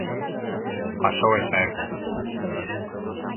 Pasou esa época.